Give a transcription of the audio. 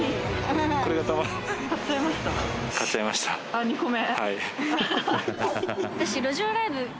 あっ２個目？